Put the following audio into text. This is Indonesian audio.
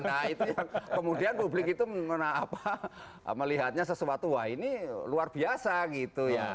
nah itu yang kemudian publik itu melihatnya sesuatu wah ini luar biasa gitu ya